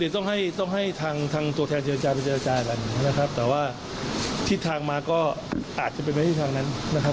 ทางตัวแทนเจรจาเป็นเจรจาแบบนี้นะครับแต่ว่าทิศทางมาก็อาจจะเป็นทิศทางนั้นนะครับ